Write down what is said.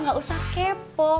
nggak usah kepo